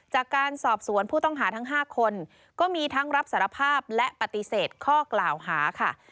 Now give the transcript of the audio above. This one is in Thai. จากการสอบสวนผู้ต้องหาทั้ง๕คนก็มีทั้งรับสารภาพและปฏิเสธข้อกล่าวหาค่ะ